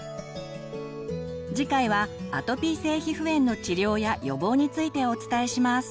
次回はアトピー性皮膚炎の治療や予防についてお伝えします。